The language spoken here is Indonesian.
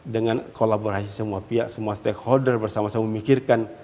dengan kolaborasi semua pihak semua stakeholder bersama sama memikirkan